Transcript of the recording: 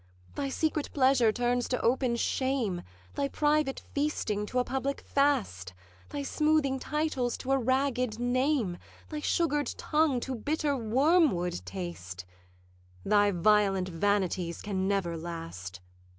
'Thy secret pleasure turns to open shame, Thy private feasting to a public fast, Thy smoothing titles to a ragged name, Thy sugar'd tongue to bitter wormwood taste: Thy violent vanities can never last.